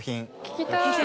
聴きたい。